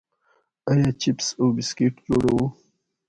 آیا چپس او بسکټ جوړوو؟